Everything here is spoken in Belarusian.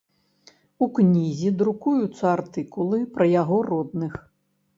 У кнізе друкуюцца артыкулы пра яго родных.